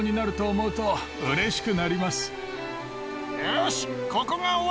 よし。